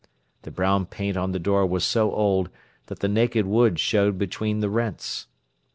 The brown paint on the door was so old that the naked wood showed between the rents.